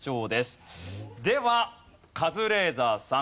ではカズレーザーさん